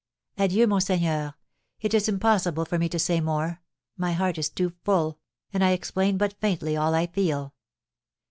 Adieu, monseigneur, it is impossible for me to say more; my heart is too full, and I explain but faintly all I feel."